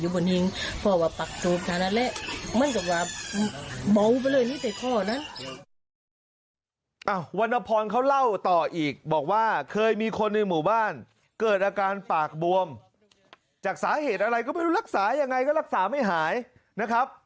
วันพรเขาเล่าต่ออีกบอกว่าเคยมีคนในหมู่บ้านเกิดอาการปากบวมจากสาเหตุอะไรก็ไม่รู้รักษายังไงก็รักษาไม่หายนะครับ